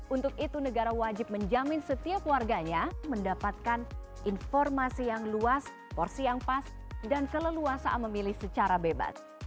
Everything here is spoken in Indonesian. untuk itu negara wajib menjamin setiap warganya mendapatkan informasi yang luas porsi yang pas dan keleluasaan memilih secara bebas